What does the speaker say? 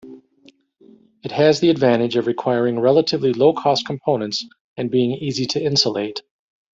It has the advantage of requiring relatively low-cost components and being easy to insulate.